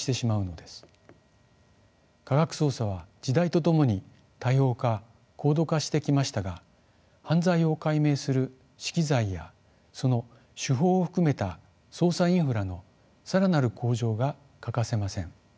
科学捜査は時代とともに多様化・高度化してきましたが犯罪を解明する資機材やその手法を含めた捜査インフラの更なる向上が欠かせません。